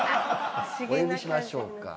お呼びしましょうか。